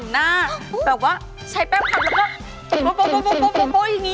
ทำไมพี่ยอมทำแบบนี้